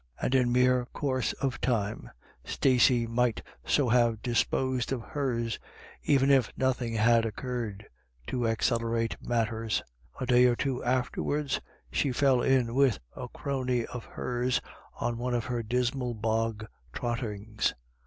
And in mere course of time Stacey .might so have disposed of hers, even if nothing had occurred to accelerate matters. A day or two afterwards, she fell in with a crony of hers on one of her dismal bog trottings.